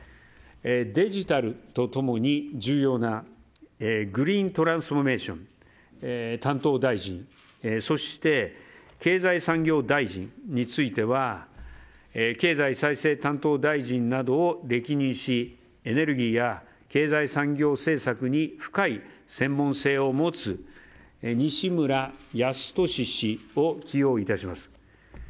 デジタルと共に重要なグリーントランスフォーメーション担当大臣そして経済産業大臣については経済再生担当大臣などを歴任しエネルギーや経済産業政策に深い専門性を持つ西村康稔氏を起用いたします。